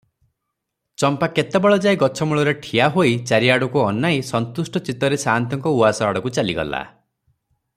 ଚମ୍ପା କେତେବେଳ ଯାଏ ଗଛମୂଳରେ ଠିଆହୋଇ ଚାରିଆଡ଼କୁ ଅନାଇ ସନ୍ତୁଷ୍ଟ ଚିତ୍ତରେ ସାଆନ୍ତଙ୍କ ଉଆସ ଆଡ଼କୁ ଚାଲିଗଲା ।